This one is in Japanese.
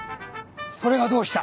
それがどうした！